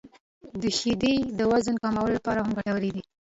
• شیدې د وزن کمولو لپاره هم ګټورې دي.